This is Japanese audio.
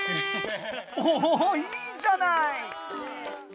おおいいじゃない！